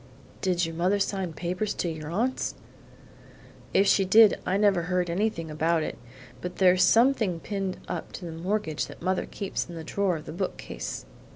"Did your mother sign papers to your aunts?' "If she did I never heard anything about it; but there's something pinned on to the mortgage that mother keeps in the drawer of the bookcase."